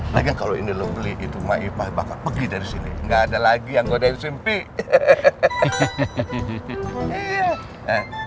lagi kalau ini lo beli itu maipah bakal pergi dari sini nggak ada lagi yang godein simpi hehehe